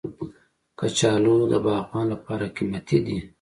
کچالو د باغوان لپاره قیمتي دی